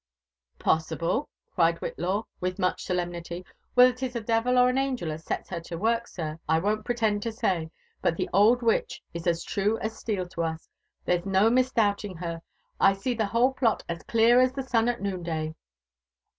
Possible !" cried Whillaw wilh much solemnity. '* WheAer 'lis a devil or an angel as sets her to work, sir, I won't pretend to say, — but the old witch is as true as steel to us ; there's no misdoubting her —I see the whole plot as clear as the sun at noonday.